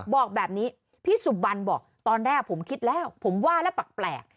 บอกแบบนี้พี่สุบันบอกตอนแรกผมคิดแล้วผมว่าแล้วแปลก